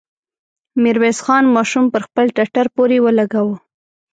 ميرويس خان ماشوم پر خپل ټټر پورې ولګاوه.